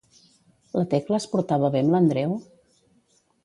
La Tecla es portava bé amb l'Andreu?